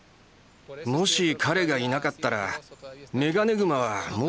もし彼がいなかったらメガネグマはもうとっくに。